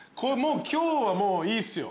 今日はもういいっすよ。